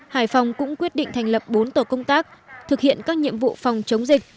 hải phòng cũng quyết định thành lập bốn tổ công tác thực hiện các nhiệm vụ phòng chống dịch